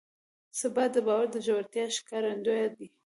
ثبات د باور د ژورتیا ښکارندوی دی.